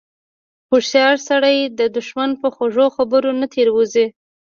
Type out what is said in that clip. هوښیار سړی د دښمن په خوږو خبرو نه تیر وځي.